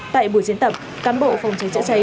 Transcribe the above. tại buổi diễn tập cán bộ phòng trái chữa trái